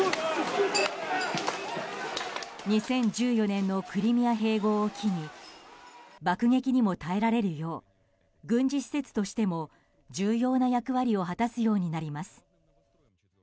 ２０１４年のクリミア併合を機に爆撃にも耐えられるよう軍事施設としても重要な役割を果たすようになります。